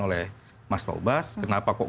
oleh mas taubas kenapa kok